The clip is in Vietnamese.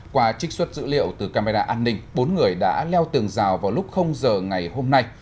qua trích xuất dữ liệu từ camera an ninh bốn người đã leo tường rào vào lúc giờ ngày hôm nay